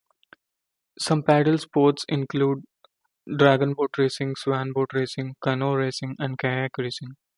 Some paddle sports include dragonboat racing, swanboat racing, canoe racing and kayak racing.